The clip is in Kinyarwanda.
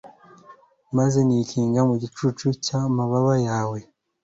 maze nikinga mu gicucu cy'amababa yawe